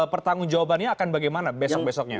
pertanggung jawabannya akan bagaimana besok besoknya